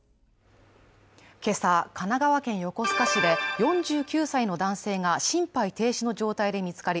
今朝、神奈川県横須賀市で４９歳の男性が心肺停止の状態で見つかり